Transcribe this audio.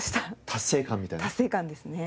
達成感ですね。